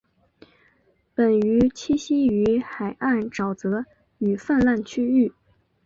本鱼栖息于海岸沼泽与泛滥区域。